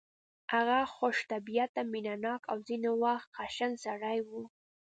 هغه خوش طبیعته مینه ناک او ځینې وخت خشن سړی و